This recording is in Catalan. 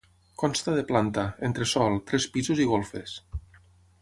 Consta de planta, entresòl, tres pisos i golfes.